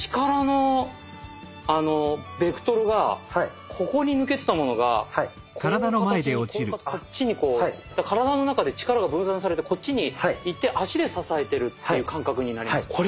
力のベクトルがここに抜けてたものがこう形にこっちにこう体の中で力が分散されてこっちにいって脚で支えてるっていう感覚になります。